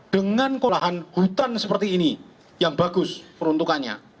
dengan perubahan lahan hutan seperti ini yang bagus peruntukannya